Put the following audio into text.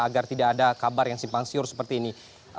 agar tidak ada kabar yang simpang siur seperti ini